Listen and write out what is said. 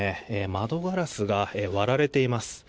窓ガラスが割られています。